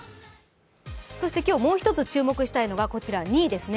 そして今日もう一つ注目したいのが、こちらの２位ですね。